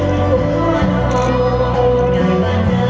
สวัสดี